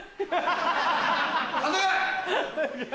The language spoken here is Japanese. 監督！